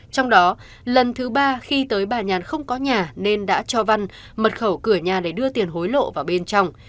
trong đó lần thứ ba khi tới bà nhàn không có nhà nên đã cho văn mật khẩu cửa nhà để đưa tiền hối lộ vào bên trong